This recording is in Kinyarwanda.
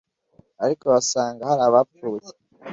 ariko basanga hari abapfuye